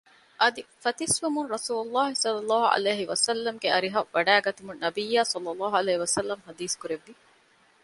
އަދި ފަތިސްވުމުން ރަސޫލުﷲ ﷺ ގެ އަރިހަށް ވަޑައިގަތުމުން ނަބިއްޔާ ﷺ ޙަދީޘްކުރެއްވި